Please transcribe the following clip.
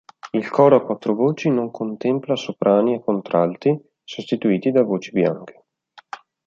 Il coro a quattro voci non contempla soprani e contralti sostituiti da voci bianche.